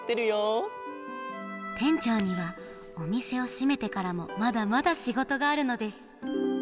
てんちょうにはおみせをしめてからもまだまだしごとがあるのです。